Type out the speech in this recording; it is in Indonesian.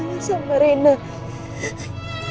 nanti kita berjalan